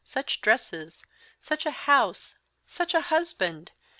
such dresses! such a house! such a husband!